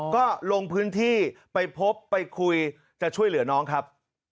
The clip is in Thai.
ก็ลงพื้นที่ไปพบไปคุยจะช่วยเหลือน้องครับ